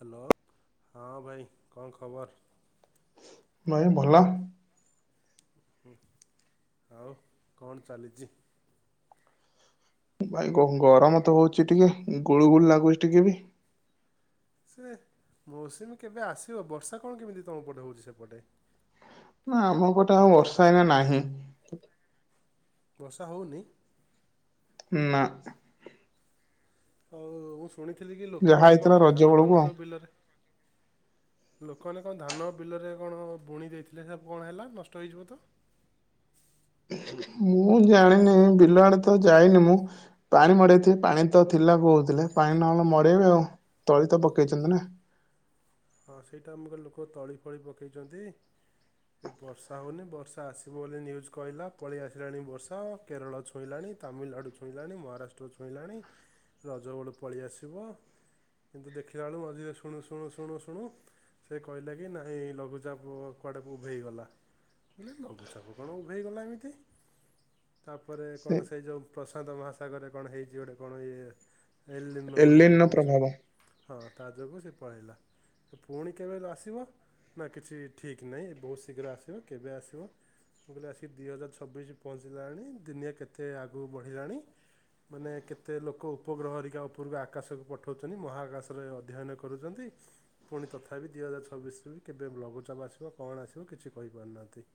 Hello! ହଁ ଭାଇ କଣ ଖବର? ନାଇଁ ଭଲ। ହୁଁ ଆଉ କଣ ଚାଲିଛି? ଭାଇ ଗରମ ତ ହଉଛି ଟିକେ, ଗୁଳୁ ଗୁଳି ଲାଗୁଛି ଟିକେ ବି, ସେ ମୌସୁମୀ କେବେ ଆସିବ ବର୍ଷା କଣ କେମିତି ତମ ପଟେ ହଉଛି ସେପଟେ? ନା ଆମ ପଟେ ଆଉ ବର୍ଷା ଏନା ନାହିଁ। ବର୍ଷା ହଉନି? ନା, ହଉ [inaudible] ଶୁଣିଥିଲି କି ଯାହା ଲୋକମାନେ ହେଇଥିଲା କଣ ରଜ ଧାନ ବେଳକୁ ଫାନ ଆଉ ସବୁ ବିଲରେ ଲୋକମାନେ କଣ ଧାନ ବିଲରେ କଣ ବୁଣି ଦେଇଥିଲେ ସେବୁ କଣ ହେଲା, ନଷ୍ଟ ହେଇଯିବ ତ? ମୁଁ ଜାଣିନି ବିଲୁଆଡେ ତ ଯାଇନି ମୁଁ, ପାଣି ମଡେଇଥିଲି ପାଣି ତ ଥିଲା କହୁଥିଲେ, ପାଣି ନହେଲେ ମଡେଇବେ ଆଉ ତଳି ତ ପକେଇଛନ୍ତି ନା। ହଁ ସେଇଟା ଆମକୁ ଲୋକ ତଳି ଫଳି ପକେଇଛନ୍ତି, ବର୍ଷା ହେଉନି ବର୍ଷା ଆସିବ ବୋଲି ନ୍ୟୁଜ୍ କହିଲା, ପଳେଇ ଆସିଲାଣି ବର୍ଷା କେରଳ ଛୁଇଁଲାଣି, ତାମିଲନାଡ଼ୁ ଛୁଇଁଲାଣି, ମହାରାଷ୍ଟ୍ର ଛୁଇଁଲାଣି, ରଜଗୋଳ ପଳେଇ ଆସିବ କିନ୍ତୁ ଦେଖିଲା ବେଳୁ ମଝିରେ ଶୁଣୁ ଶୁଣୁ ଶୁ ଶ ଶୁଣୁ ସେ କହିଲା- କି ନାହିଁ ଲଘୁଚାପ କୁଆଡ଼େ ଉଭେଇଗଲାମୁଁ କହିଲି ଲଘୁଚାପ କଣ ଉଭେଇଗଲା ଏମିତି? ତାପରେ ସେ କଣ ସେଇ ଯଉ ପ୍ରସନ୍ତ ମହାସାଗରରେ କଣ ହେଇଛି? ଗୋଟେ କଣ ଇଏ ଏଲନୋ ବୋଲି କଣ ଏଲିନ କହୁଛନ୍ତି? ପ୍ରଭାବ ହଁ ତା ଯୋକୁ ସେ ପଳେଇଲା ପୁଣି କେବେ ଆସିବ ନା କିଛି ଠିକ୍ ନାହିଁ? ବହୁତ ଶୀଘ୍ର ଆସିବ କେବେ ଆସିବ? ମୁଁ କହିଲି ଆସିକି ଦୁଇ ହଜାର ଛବିଶ ପହଞ୍ଚିଲାଣି ଦୁନିଆ କେତେ ଆଗକୁ ବଢ଼ିଲାଣି ମାନେ କେତେ ଲୋକ ଉପଗ୍ରହରିକା ଉପରକୁ ଆକାଶକୁ ପଠଉଛନ୍ତି ମହାକାଶରେ ଅଧ୍ୟୟନ କରୁଛନ୍ତି। ପୁଣି ତଥାପି ଦୁଇ ହଜାର ଛବିଶରୁ ବି କେବେ ଲଘୁଚାପ ଆସିବ କଣ ଆସିବ କିଛି କହିପାରୁନାହାନ୍ତି।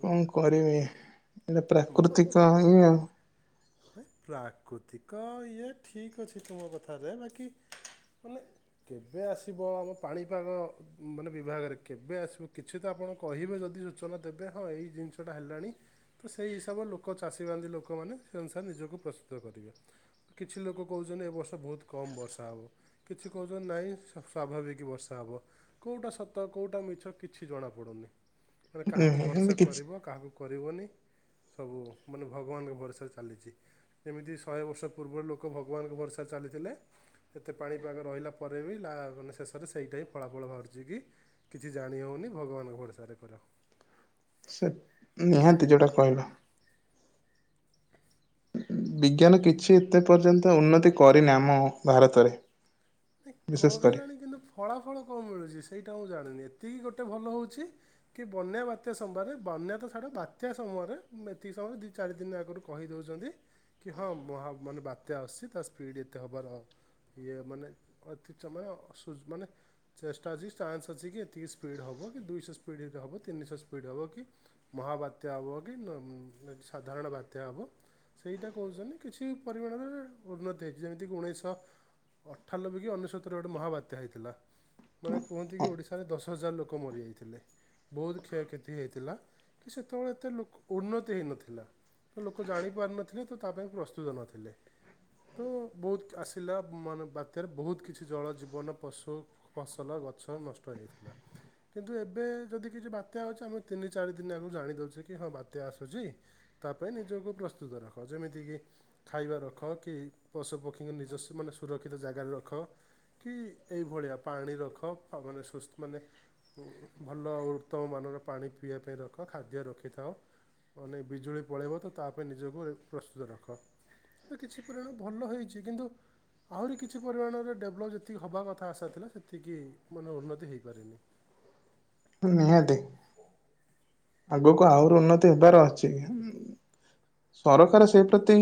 କଣ କରିବି ଏଇଟ ଭଲ। ପ୍ରାକୃତିକ ଇ ପ୍ରାକୃତିକ ଇଏ ଠିକ୍ ଅଛି ତୁମ କଥାରେ ବାକି ମାନେ କେବେ ଆସିବ? ଆମ ପାଣିପାଗ ମାନେ ବିଭାଗରେ କେବେ ଆସିବ। କିଛି ତ ଆପଣ କହିବେ ଯଦି ସୂଚନା ଦେବେ ହଁ ଏଇ ଜିନିଷଟା ହେଲାଣି ତ ସେଇ ହିସାବ ଲୋକ ଚାଷୀ ବାନ୍ଧି ଲୋକମାନେ ସେ ଅନୁସାରେ ନିଜକୁ ପ୍ରସ୍ତୁତ କରିବେ କିଛି ଲୋକ କହୁଛନ୍ତି। ଏ ବର୍ଷ ବହୁତ କମ୍ ବର୍ଷା ହେବ କିଛି କହୁଛନ୍ତି ନହିଁ ସ୍ୱାଭାବିକ ବର୍ଷା ହେବ କେଉଁଟା ସତ କେଉଁଟା ମିଛ କିଛି ଜଣାପଡ଼ୁନି। ମାନେ କାହାକୁ ଏମିତି ଭରସା କିଛି କରିବ କାହାକୁ କରିବନି? ସବୁ ମାନେ ଭଗବାନଙ୍କ ଭରସା। ଚାଲିଛି ଯେମିତି ଶହେ ବର୍ଷ ପୂର୍ବରୁ ଲୋକ ଭଗବାନଙ୍କ ଭରସା ଚାଲିଥିଲେ ଏତେ ପାଣିପାଗ ରହିଲା ପରେ ବି ମାନେ ଶେଷରେ ସେଇଟା ହିଁ ଫଳାଫଳ ବାହାରୁଛି କି କିଛି ଜାଣି ହେଉନି ଭଗବାନଙ୍କ ଭରସାରେ କର। ସେ ନିହାତି ଯୋଉଟା କହିଲ ବିଜ୍ଞାନ କିଛି ଏତେ ପର୍ଯ୍ୟନ୍ତ ଉନ୍ନତି କରିନି ଆମ ଭାରତରେ! ନାଇଁ ବିଶେଷ କରି କରିଲାଣି କିନ୍ତୁ ଫଳାଫଳ କଣ ମିଳୁଛି ସେଇଟା ଆଉଁ ଜାଣିନି ଏେ? ଏତିକି ଗୋଟେ ଭଲ ହେଉଛି କି ବନ୍ୟା, ବାତ୍ୟା ସମୟରେ ବନ୍ୟା ତ ଛାଡ଼ ବାତ୍ୟା ସମୟରେ ଏତିକି ସମୟରେ ଦୁଇ ଚାରି ଦିନ ଆଗରୁ କହିଦଉଛନ୍ତି କି ହଁ ମ ମାନେ ବାତ୍ୟା ଆସୁଛି ତା ସ୍ପିଡ଼୍ ଏତେ ହେବାର ଇଏ ମାନେ ଅତି ସମୟ ମାନେ ଚେଷ୍ଟା ଅଛି କି ଚାନ୍ସ ଅଛି କି ଏତିକି ସ୍ପିଡ଼୍ ହବ କି ଦୁଇଶହ ସ୍ପିଡ଼ ହବ ତିନିଶହ ସ୍ପିଡ଼ ହବ କି? ମହାବାତ୍ୟା ହବ କି ସାଧାରଣ ବାତ୍ୟା ହବ ସେଇଟା କହୁଛନ୍ତି କିଛି ପରିମାଣରେ ଉନ୍ନତି ହେଇଛି ଯେମିତିକ ଉଣେଇସି ଅଠାନବେ ଅନେଶ୍ବତରେ ଗୋଟେ ମହାବାତ୍ୟା ହେଇଥିଲା ମାନେ କୁହନ୍ତି କି ଓଡ଼ିଶାରେ ଦଶ ହଜାର ଲୋକ ମରିଯାଇଥିଲେ। ବହୁତ କ୍ଷୟକ୍ଷତି ହୋଇଥିଲା। ସେତେବେଳେ ଏତେ ଲୋକ ଉନ୍ନତି ହେନଥିଲା। ଲୋକ ଜାଣି ପାରିନଥିଲେ ତ ତା ପାଇଁ ପ୍ରସ୍ତୁତ ନଥିଲେ ତ ବହୁତ ଆସିଲ ମାନ ବାତ୍ୟାରେ ବହୁତ କିଛି ଜଳ ଜୀବନ ପଶୁ, ଫସଲ, ଗଛ ନଷ୍ଟ ହେଯାଇଥିଲା। କିନ୍ତୁ ଏବେ ଯଦି କିଛି ବାତ୍ୟା ହେଉଛି ଆମେ ତିନି ଚାରି ଦିନ ଆଗକୁ ଜାଣି ଦେଉଛେ କି ହଁ ବାତ୍ୟା ଆସୁଛି ତା ପାଇଁ ନିଜକୁ ପ୍ରସ୍ତୁତ ରଖ। ଯେମିତିକି ଖାଇବା ରଖ କି ପଶୁପକ୍ଷୀଙ୍କୁ ନିଜ ମାନେ ସୁରକ୍ଷିତ ଜାଗାରେ ରଖ। କି ଏଇଭଳିଆ ପାଣି ରଖ। ମାନେ ସୁସ୍ଥ ମାନେ ଭଲ ଉତ୍ତମ ମାନର ପାଣି ପିଇବା ପାଇଁ ରଖ ଖାଦ୍ୟ ରଖିଥାଉ ମାନେ ବିଜୁଳି ପଳେଇବ ତ ତା ପାଇଁ ନିଜକୁ ପ୍ରସ୍ତୁତ ରଖ କିଛି ପରିମାଣରେ ଭଲ ହେଇଛି କିନ୍ତୁ ଆହୁରି କିଛି ପରିମାଣରେ ଭଲ ଯେତିକି ହବା କଥା ଆଶାଥିଲା ସେତିକି ମାନର ଉନ୍ନତି ହେଇପାରିନି। ନିହାତି ଆଗକୁ ଆହୁରି ଉନ୍ନତି ହେବାର ଅଛି ସରକାର ସେଇ ପ୍ରତି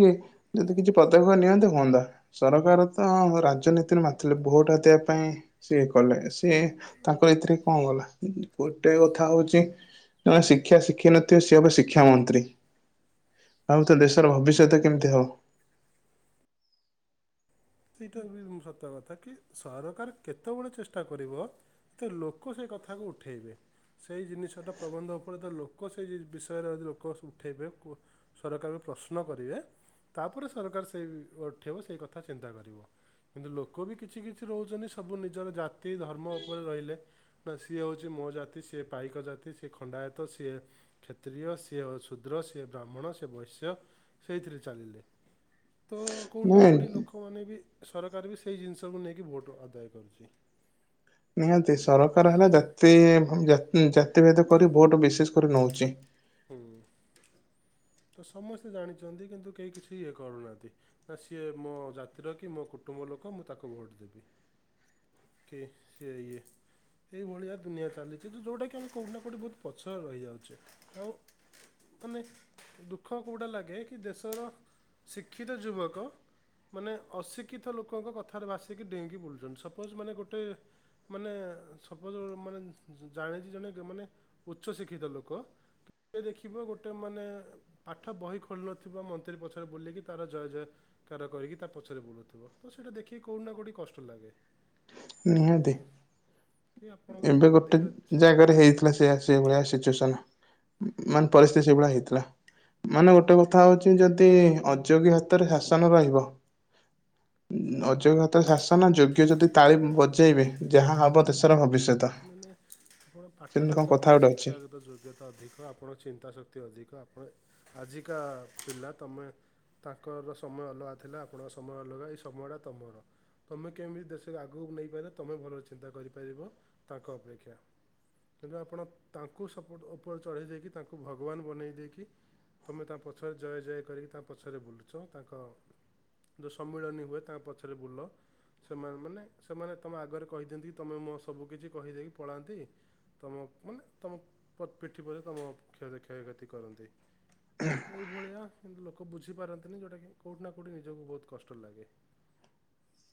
ଯଦି କିଛି ପଦକ୍ଷେପ ନିଅନ୍ତେ ହୁଅନ୍ତା। ସରକାର ତ ରାଜନୀତିରେ ମତିଥିଲେ ଭୋଟ ହାତିବା ପାଇଁ ସିଏ କଲେ ସିଏ ତାଙ୍କର ଏଥିରେ କଣ ଗଲା ଗୋଟେ କଥା ହଉଛି ସେମାନେ ଶିକ୍ଷା ଶିଖି ନଥିବେ ସିଏ ଏବେ ଶିକ୍ଷା ମନ୍ତ୍ରୀ ଆଉତ ତ ଦେଶର ଭବିଷ୍ୟତ କେମିତି ହବ। ସେଇଟା ବି ସତ କଥା କି ସରକାର କେତେବେଳେ ଚେଷ୍ଟା କରିବ ତ ଲୋକ ସେ କଥାକୁ ଉଠେଇବେ ସେଇ ଜିନିଷଟା ପ୍ରବନ୍ଧ ଉପରେ ତ ଲୋକ ସେ ବିଷୟରେ ଯଦି ଲୋକ ଉଠେଇବେ ସରକାରଙ୍କୁ ପ୍ରଶ୍ନ କରିବେ ତାପରେ ସରକାର ସେଇ ଉଠେଇବ ସେଇ କଥା ଚିନ୍ତା କରିବ କିନ୍ତୁ ଲୋକ ବି କିଛି କିଛି ରହୁଛନ୍ତି ସବୁ ନିଜର ଜାତି, ଧର୍ମ ଉପରେ ରହିଲେ ନା ସିଏ ହେଉଛି ମୋ ଜାତି ସିଏ ପାଇକ ଜାତି, ସିଏ ଖଣ୍ଡାୟତ, ସିଏ କ୍ଷତ୍ରୀିୟ, ସିଏ ଶୁଦ୍ର, ସିଏ ବ୍ରାହ୍ମଣ, ସେ ବୈଶ୍ୟ, ସେଇଥିରେ ଚାଲିଲେ ତ କୋଉଠି ନା ନାଇଁ କୋଉଠି ଲୋକ ଏବେବି ସରକାର ବି ସେଇ ଜିନିଷକୁ ନେଇକି ଭୋଟ ଆଦାୟ କରୁଛି। ଓଂଜାତି ଭେଦ କରି ଭୋଟ ବିଶେଷ କରି ନଉଛି। ହୁଁ ତ ସମସ୍ତେ ଜାଣିଛନ୍ତି କିନ୍ତୁ କେହି କିଛି ଇଏ କରୁନାହାନ୍ତି ନା ସିଏ ମୋ ଜାତିର କି ମୋ କୁଟୁମ୍ବ ଲୋକ ମୁଁ ତାକୁ ଭୋଟ ଦେବି। କି ସିଏ ଇଏ ଏଇଭଳିଆ ଦୁନିଆ ଚାଲିଛି ଯୋଉଟା କିି ଆମେ କୋଉଠି ନା କୋଉଠି ବହୁତ ପଛରେ ରହିଯାଉଛେ। ଆଉ ମାନେ ଦୁଃଖ କେଉଁଟା ଲାଗେ କି ଦେଶର ଶିକ୍ଷିତ ଯୁବକ ମାନେ ଅଶିକ୍ଷିତ ଲୋକଙ୍କ କଥାରେ ଭାସିକି ଡେଇଁକି ବୁଲୁଛନ୍ତି। ସପୋଜ ମାନେ ଗୋଟେ ମାନେ ସପୋଜ ମାନେ ଜାଣିଛି ଜଣେ ମାନେ ଉଚ୍ଚଶିକ୍ଷିତ ଲୋକ କିଏ ଦେଖିବ ଗୋଟେ ମାନେ ପାଠ ବହି ଖୋଲୁନଥିବ ମନ୍ତ୍ରୀ ପଛରେ ବୁଲିକି ତାର ଜୟ ଜୟକାର କରିକି ତା ପଛରେ ବୁଲୁଥିବ ତ ସେଇଟା ଦେଖିକି କୋଉଠି ନା କୋଉଠି କଷ୍ଟ ଲାଗେ। ନିହାତି କି ଆପଣଙ୍କର ଏବେ ବୁଦ୍ଧି ଗୋଟେ ଅଛି ଜାଗାରେ ହେଇଥିଲା ସେ ସେ ଭଳିଆ ସିଚୁଏସନ ମାନେ କୋଉଠି ପରିସ୍ଥିତି ସେଇଭଳିଆ ହେଇଥିଲା। ମାନେ ଗୋଟେ କଥା ହଉଛି ଯଦି ଅଯୋଗୀ ହାତରେ ଶାସନ ରହିବ ହଁ ଅଯୋଗ୍ୟତା ଶାସନ ଯୋଗ୍ୟ ଯଦି ତାଳି ବଜେଇବେ ଯାହା ହବ ହବିସ ମାନେ ଆପଣ ପାଠସାଠ କଥା ଆପଣ ଗୋଟେ ଅଛି। ଶିକ୍ଷାଗତ ଯୋଗ୍ୟତା ଅଧିକ ଆପଣଙ୍କ ଚିନ୍ତା ଶକ୍ତି ଅଧିକ ଆ ଆଜିକା ପିଲା ତମେ ତାଙ୍କର ସମୟ ଅଲଗା ଥିଲା ଆପଣଙ୍କ ସମୟ ଅଲଗା ଏଇ ସମୟଟା ତମର ତୁମେ କେମିତି ଦେଶରେ ଆଗକୁ ନେଇପାର ତୁମେ ଭଲ ଚିନ୍ତା କରିପାରିବ। ତାଙ୍କ ଅପେକ୍ଷା ତେଣୁ ଆପଣ ତାଙ୍କୁ ସପଟ ଉପରେ ଚଢ଼େଇ ଦେଇକି ତାଙ୍କୁ ଭଗବାନ ବନେଇ ଦେଇକି ତୁମେ ତା ପଛରେ ଜୟ ଜୟ କରିକି ତା ପଛରେ ବୁଲୁଛ ତାଙ୍କ ଯେଉଁ ସମ୍ମିଳନୀ ହୁଏ ତାଙ୍କ ପଛରେ ବୁଲ ସେମାନେ ମାନେ ସେମାନେ ତୁମେ ଆଗରେ କହିଦିଅନ୍ତି କି ତୁମେ ମୋ ସବୁକିଛି। କହିଦେଇକି ପଳାନ୍ତି ତମ ମାନେ ତମ ପିଠି ପରେ ତମ କ କ୍ଷୟକ୍ଷତି କରନ୍ତି ତ ଏଇଭଳିଆ କି ଲୋକ ବୁଝିପାରନ୍ତିନି ଯୋଉଟା କି କୋଉଠି ନା କୋଉଠି ନିଜକୁ ବହୁତ କଷ୍ଟ ଲାଗେ।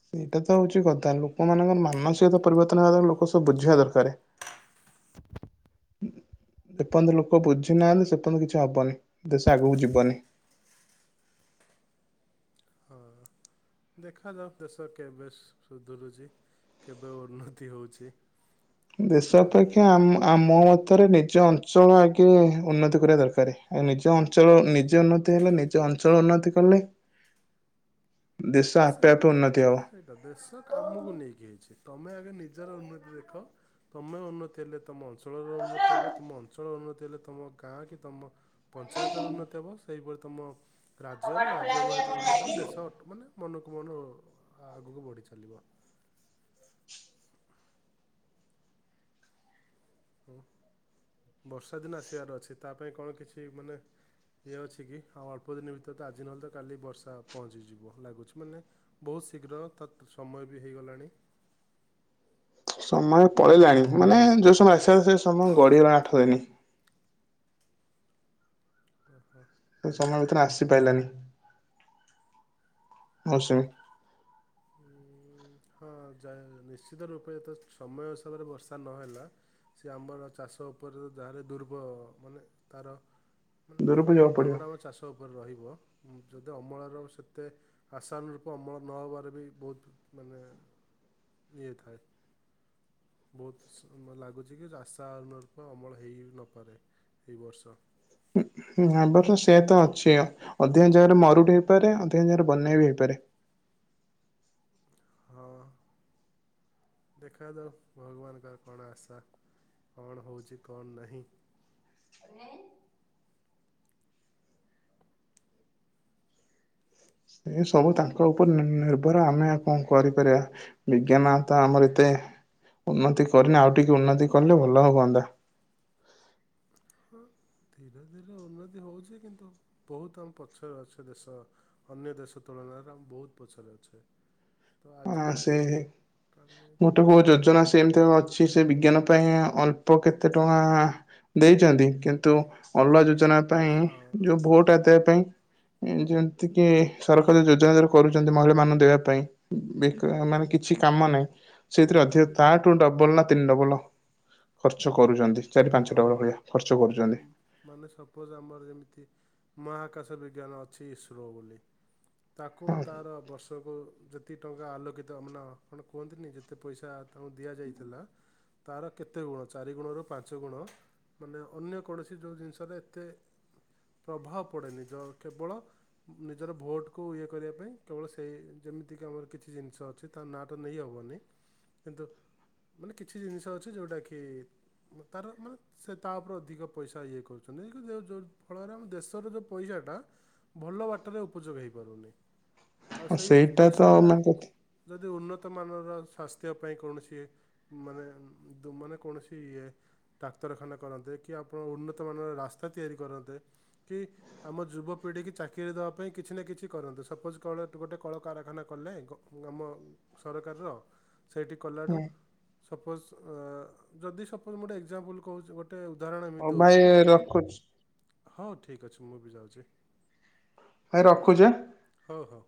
ସେଇଟା ତ ହଉଛି କଥା ଲୋକମାନାନଙ୍କର ମାନସିକତା ପରିବର୍ତ୍ତନ ହେବା ଦରକାର ଲୋକ ସବୁ ବୁଝିବା ଦରକାର ଯେପର୍ଯ୍ୟନ୍ତ ଲୋକ ବୁଝି ନାହାନ୍ତି ସେପର୍ଯ୍ୟନ୍ତ କିଛି ହବନି ଦେଶ ଆଗକୁ ଯିବନି ହଁ ଦେଖାଯାଉ ଦେଶ କେବେ ସୁଧରୁଛି କେବେ ଉନ୍ନତି ହେଉଛି ଦେଶପକ୍ଷ ଆମ ଆମ ମତରେ ନିଜ ଅଞ୍ଚଳ ଆଗେ ଉନ୍ନତି କରିବା ଦରକାର ଆଉ ନିଜ ଅଞ୍ଚଳ ନିଜେ ଉନ୍ନତି ହେଲେ ନିଜ ଅଞ୍ଚଳ ଉନ୍ନତି କଲେ ଦେଶ ଆପେ ଆପେ ଉନ୍ନତି ହବ। ସେଇଟା ସେଇଟା ଦେଶ କମକୁ ନେଇକି ହେଇଛି ତୁମେ ଆଗେ ନିଜର ଉନ୍ନତି ଦେଖ ତୁମେ ଉନ୍ନତି ହେଲେ ତୁମ ଅଞ୍ଚଳର ଉନ୍ନତି ହେବ ତୁମ ଅଞ୍ଚଳର ଉନ୍ନତି ହେଲେ ତୁମ ଗାଁ କି ତୁମ ପଞ୍ଚାୟତର ଉନ୍ନତି ହେବ ସେହିପରି ତୁମ ରାଜ୍ୟର ରାଜ୍ୟ ଉନ୍ନତି ହେଲେ ଦେଶ ମାନେ ମନକୁ ମନ ଆଗକୁ ବଢ଼ି ଚାଲିବ ହୁଁ ବର୍ଷା ଦିନ ଆସିବାର ଅଛି ତା ପାଇଁ କଣ କିଛି ମାନେ ଇଏ ଅଛି କି ଆଉ ଅଳ୍ପ ଦିନ ଭିତରେ ତ ଆଜି ନହେଲେ ତ କାଲି ବର୍ଷା ପହଞ୍ଚିଯିବ ଲାଗୁଛି ମାନେ ବହୁତ ଶୀଘ୍ର ତ ସମୟ ବି ହେଇଗଲାଣି। ସମୟ ପଳେଇିଲାଣି ମାନେ ଯୋଉ ସମୟ ଆସ ସେ ସମୟ ଗଡିିଗଲାଣି ଆଠ ଦିନ। ଓ ହୋ। ସମୟ ଭିତରେ ଆସିପାରିଲାନି ମୌସୁମୀ। ଉଁ, ହଁ ଯ ନିଶ୍ଚିତ ରୂପେ ଯେତେ ସମୟ ହିସାବରେ ବର୍ଷା ନହେଲା ସେ ଆମର ଚାଷ ଉପରେ ଯାହଲେ ଦୁର୍ବଳ ମାନେ ତାର ମାନେ ଦୂରକୁ ଯିବାକୁ ପ୍ରଭାବ ପଡିବ। ଟା ଆମ ଚାଷ ଉପରେ ରହିବ। ଯଦି ଅମଳର ସେତେ ଆଶାନ ରୂପ ଅମଳ ନ ହେବାରେ ବି ବହୁତ ମାନେ ଇଏ ଥାଏ। ବହୁତ ଲାଗୁଛି କି ରାସ୍ ରୂପ ଅମଳ ହେଇ ନପାରେ ଏଇ ବର୍ଷ। ହୁଁ ସେ ତ ଅଛି ଅଧିକା ଜାଗାରେ ମରୁଡି ହେଇପାରେ ଅଧିକା ଜାଗାରେ ବନ୍ୟା ବି ହେଇପାରେ। ହଁ ଦେଖା ଯାଉ ଭଗବାନଙ୍କର କଣ ଆଶା କଣ ହଉଛି କଣ ନାହିଁ। ଏ ସବୁ ତାଙ୍କ ଉପରେ ନିର୍ଭର ଆମେ କଣ କରିପାରିବା ବିଜ୍ଞାନ ତ ଆମର ଏତେ ଉନ୍ନତି କରିନି ଆଉ ଟିକେ ଉନ୍ନତି କଲେ ଭଲ ହୁଅନ୍ତା। ହଁ ଧୀରେ ଧୀରେ ଉନ୍ନତି ହଉଛି କିନ୍ତୁ ବହୁତ ଆମ ପଛରେ ଅଛେ ଦେଶ ଅନ୍ୟ ଦେଶ ତୁଳନାରେ ଆମ ବହୁତ ପଛରେ ଅଛେ। ତ ଆଜି ଆ ସେ ନହେଲେ କାଲି ଗୋଟେ କୋଉ ଦେଖାଯାଉ ଯୋଜନା ସେ ଏମିତି ଅଛି ସେ ବିଜ୍ଞାନ ଅଳ୍ପ କେତେ ଟଙ୍କା ଦେଇଛନ୍ତି କିନ୍ତୁ ଅଲ ଯ ଯୋଜ ପାଇଁ ହଁ ଯୋଉ ଭୋଟ ଆଦବା ପାଇଁ। ଯେମିତି କି ସରକାର ଯୋଜନାର କରୁଛନ୍ତି ମହିଳା ମାନଙ୍କୁ ଦେବା ପାଇଁ ବି ମାନେ କିଛି କାମ ନାହିଁ ସେଇଥିରେ ଅଧିକ ତାଠୁ ଡବଲ ନା ତିନି ଡବଲ। ଖର୍ଚ୍ଚ ମାନେ କରୁଛନ୍ତି ଚାରି ପାଞ୍ଚ ହଁ ଡବଲ ଭଳିଆ ଖର୍ଚ୍ଚ କରୁଛନ୍ତି ମାନେ ସପୋଜ ଆମର ଯେମିତି ମହାକାଶ ବିଜ୍ଞାନ ଅଛି ଇସ୍ରୋ ବୋଲି। ତାକୁ ହଁ ତାର ବର୍ଷକୁ ଯେ ଦି ଟଙ୍କା ଆଲୋକିତ ଅମନା କଣ କୁହନ୍ତିନି ଯେତେ ପଇସା ତାଙ୍କୁ ଦିଆଯାଇଥିଲା। ତାର କେତେ ଗୁଣ ଚାରିଗୁଣରୁ ପାଞ୍ଚ ଗୁଣ ମାନେ ଅନ୍ୟ କୌଣସି ଯେଉଁ ଜିନିଷରେ ଏତେ ପ୍ରଭାବ ପଡ଼େନି ତ କେବଳ ନିଜର ଭୋଟକୁ ଇଏ କରିବା ପାଇଁ କେବଳ ସେଇ ଯେମିତିକି ଆମର କିଛି ଜିନିଷ ଅଛି ତା ନାଁଟା ନେଇ ହେବନି କିନ୍ତୁ ମାନେ କିଛି ଜିନିଷ ଅଛି ଯେଉଟାକି ତାର ମାନେ ସେ ତା ଉପରେ ଅଧିକ ପଇସା ଇଏ କରୁଛନ୍ତି କିନ୍ତୁ ଫଳରେ ଆମ ଦେଶର ଯେଉ ପଇସାଟା ଭଲ ବାଟରେ ଉପଯୋଗ ହେଇପାରୁନି। ଆଉ ସେଇଟା ତ ନା କଥା ଯି ଉନ୍ନତ ମାନର ଶ୍ୟାସ୍ତ ପାଇଁ କୌଣସି ମାନେ ମାନେ କୌଣସି କି ଇଏ ଡାକ୍ତରଖାନା କରନ୍ତେ କି ଆପଣ ଉନ୍ନତମାନର ରାସ୍ତା ତିଆରି କରନ୍ତେ କି ଆମ ଯୁବପିଢ଼ି କି ଚାକିରି ଦେବା ପାଇଁ କିଛି ନା କିଛି କରନ୍ତେ ସପୋଜ କଳ ଗୋଟେ କଳକାରାରଖାନା କଲେ ଆମ ସରକାରର ସେଇଠି କଲାଠୁ ହଁ ସପୋଜ ଯଦି ସପୋଜ ଗୋଟେ ଏଗଜାମ୍ପୁଲ କହୁଛି ଗୋଟେ ଉଦାହରଣ ଏମିତି ହଉ ଭାଇ ଦେଉଛି ରଖୁଛି। ହଉ ଠିକ୍ ଅଛି ମୁଁ ବି ଯାଉଛି। ଭାଇ ରଖୁଛି ହଁ। ହଉ ହଉ